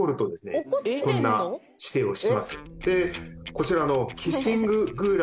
こちら。